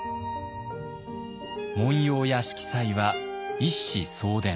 紋様や色彩は一子相伝。